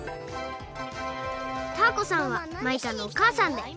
タアコさんはマイカのおかあさんではつめいかです。